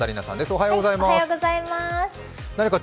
おはようございます。